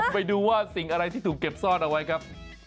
ไปดูว่าสิ่งอะไรที่ถูกเก็บซ่อนเอาไว้ครับ